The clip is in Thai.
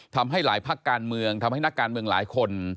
ทำให้หลายภาคการเมืองทำให้นักการเมืองหลายคน